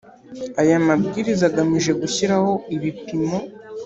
Aya mabwiriza agamije gushyiraho ibipimo